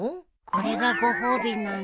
これがご褒美なの？